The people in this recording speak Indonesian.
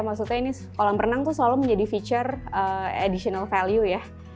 maksudnya ini kolam renang tuh selalu menjadi fitur value tambahan ya